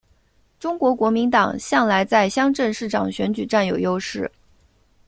中国国民党向来在乡镇市长选举占有优势。